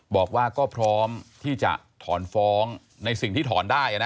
บอกว่าก็พร้อมที่จะถอนฟ้องในสิ่งที่ถอนได้นะ